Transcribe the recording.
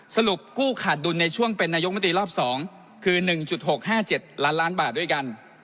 กู้ขาดดุลในช่วงเป็นนายกมตรีรอบ๒คือ๑๖๕๗ล้านล้านบาทด้วยกัน